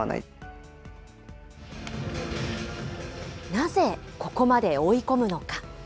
なぜ、ここまで追い込むのか。